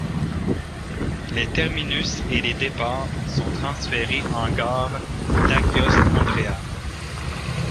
Les terminus et les départs sont transférés en gare d'Aghios Andréas.